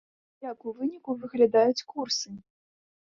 Як у выніку выглядаюць курсы?